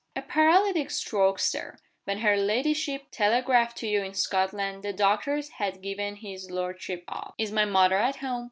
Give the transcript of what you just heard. "A paralytic stroke, Sir. When her ladyship telegraphed to you in Scotland the doctors had given his lordship up." "Is my mother at home?"